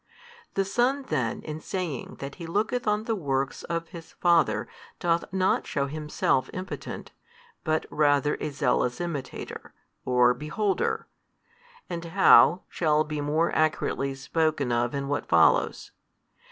The Son then in saying that He looketh on the works of His Father doth not shew Himself impotent, but rather a zealous Imitator, or Beholder: and how, shall be more accurately spoken of in what follows.